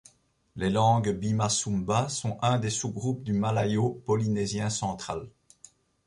Les langues bima-sumba sont un des sous-groupes du malayo-polynésien central.